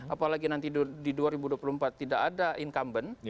apalagi nanti di dua ribu dua puluh empat tidak ada incumbent